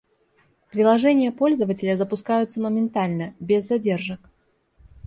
Приложения пользователя запускаются моментально, без задержек